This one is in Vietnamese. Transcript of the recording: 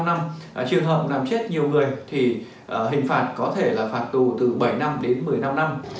năm trường hợp làm chết nhiều người thì hình phạt có thể là phạt tù từ bảy năm đến một mươi năm năm